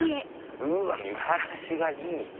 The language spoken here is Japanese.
うわ見晴らしがいい！